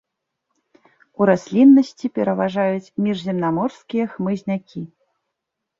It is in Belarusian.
У расліннасці пераважаюць міжземнаморскія хмызнякі.